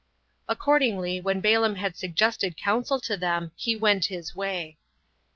Accordingly, when Balaam had suggested counsel to them, he went his way. 7.